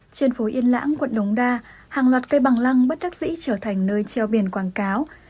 trên phố yên lãng quận đống đa hàng loạt cây bằng lăng bất đắc dĩ trở thành nơi treo biển quảng cáo